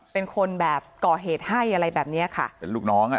เป็นคนแบบก่อเหตุให้อะไรแบบเนี้ยค่ะเป็นลูกน้องอ่ะ